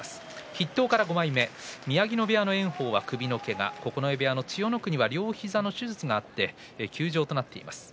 筆頭から５枚目、炎鵬は首のけが千代の国は両膝の手術もあって休場となっています。